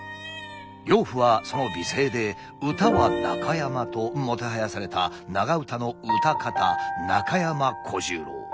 養父はその美声で唄は中山ともてはやされた長唄の唄方中山小十郎。